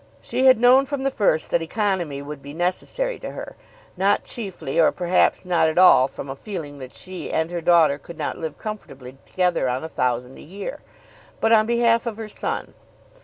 She had known from the first that economy would be necessary to her, not chiefly or perhaps not at all from a feeling that she and her daughter could not live comfortably together on a thousand a year, but on behalf of her son.